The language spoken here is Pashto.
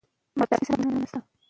خپل کلتور وساتئ.